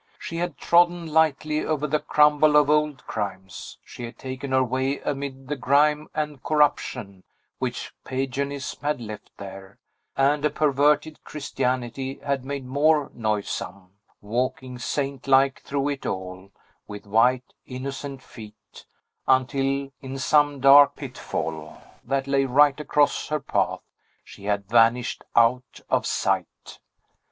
She had trodden lightly over the crumble of old crimes; she had taken her way amid the grime and corruption which Paganism had left there, and a perverted Christianity had made more noisome; walking saint like through it all, with white, innocent feet; until, in some dark pitfall that lay right across her path, she had vanished out of sight.